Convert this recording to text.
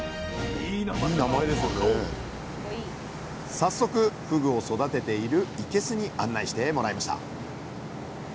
早速ふぐを育てているいけすに案内してもらいました。